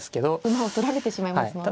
馬を取られてしまいますもんね。